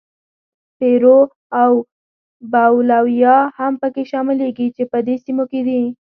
پیرو او بولیویا هم پکې شاملېږي چې په دې سیمو کې دي.